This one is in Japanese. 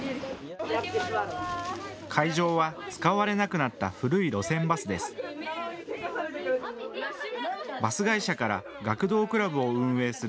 会場は使われなくなった古い路線バスです。